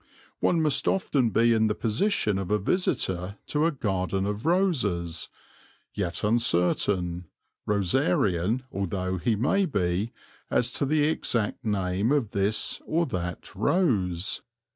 One must often be in the position of a visitor to a garden of roses, yet uncertain, rosarian although he may be, as to the exact name of this or that rose.